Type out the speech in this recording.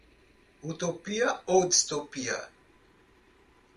Utopia ou distopia?